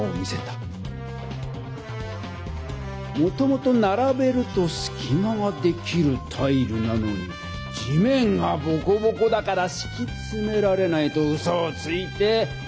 もともとならべるとすきまができるタイルなのに「地面がボコボコだからしきつめられない」とうそをついて。